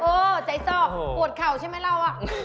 โธ่ใจซอกปวดเข่าใช่มั้ยเรา